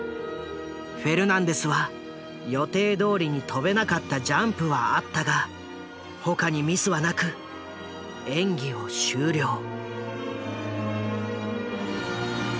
フェルナンデスは予定どおりに跳べなかったジャンプはあったが他にミスはなく演技を終了。